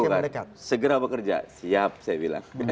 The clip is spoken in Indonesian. ya disuruh kan segera bekerja siap saya bilang